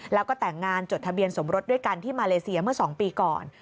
แล้วก็แต่งงานจดทะเบียนสมรสด้วยกันที่มาเลเซียเมื่อ๒ปีก่อน